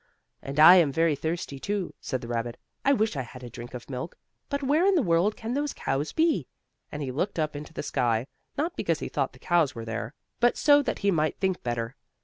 "And I am very thirsty, too," said the rabbit. "I wish I had a drink of milk. But where in the world can those cows be?" and he looked up into the sky, not because he thought the cows were there, but so that he might think better.